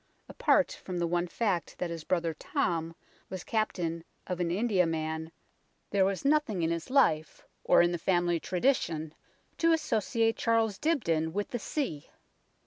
Apart from the one fact that his brother Tom was captain of an Indiaman, there was nothing in his life or in the family tradition to associate Charles Dibdin with the sea.